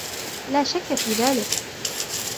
لا شك في ذلك.